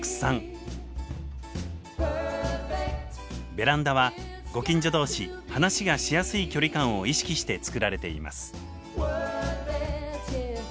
ベランダはご近所同士話がしやすい距離感を意識して作られています。